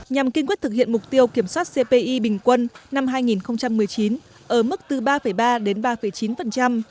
nhằm kiên quyết thực hiện mục tiêu kiểm soát cpi bình quân năm hai nghìn một mươi chín ở mức từ ba ba đến ba chín